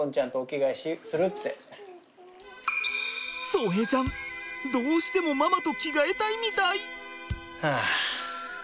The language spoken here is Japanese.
颯平ちゃんどうしてもママと着替えたいみたい。